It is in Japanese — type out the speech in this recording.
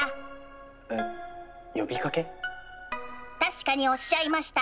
確かにおっしゃいました。